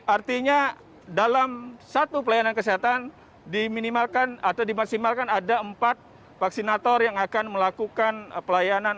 artinya dalam satu pelayanan kesehatan diminimalkan atau dimaksimalkan ada empat vaksinator yang akan melakukan pelayanan